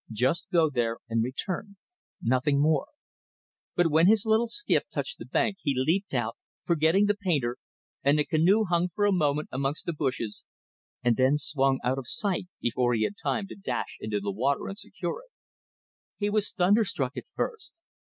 Just go there and then return nothing more; but when his little skiff touched the bank he leaped out, forgetting the painter, and the canoe hung for a moment amongst the bushes and then swung out of sight before he had time to dash into the water and secure it. He was thunderstruck at first.